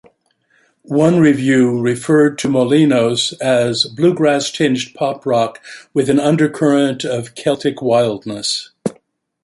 One review referred to "Molinos" as "bluegrass-tinged pop-rock" with an "undercurrent of Celtic wildness".